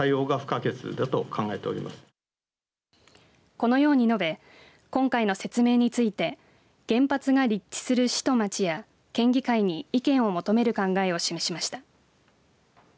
このように述べ今回の説明について原発が立地する市と町や県議会に意見を求める考えを示しました。